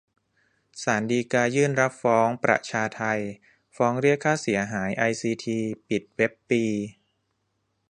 ศาลฎีกายืนรับฟ้อง 'ประชาไท' ฟ้องเรียกค่าเสียหายไอซีที ปิดเว็บปี